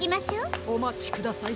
おまちください